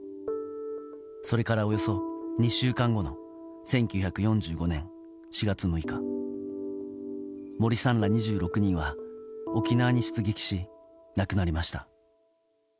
それから、およそ２週間後の１９４５年４月６日森さんら２６人は沖縄に出撃し、亡くなりました。